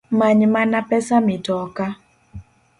Manymana pesa mitoka